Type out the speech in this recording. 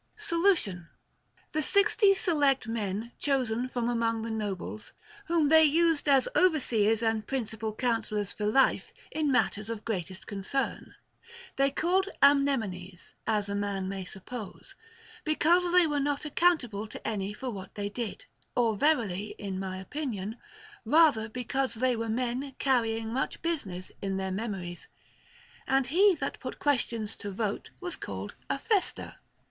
Solution. The sixty select men chosen from among the nobles, whom they used as overseers and principal coun sellors for life in matters of greatest concern, they called Amnemones (as a man may suppose) because they were not accountable to any for what they did, or verily (in my opinion) rather because they were men carrying much business in their memories. And he that put questions to vote was called Aphester.